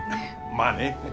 まあね。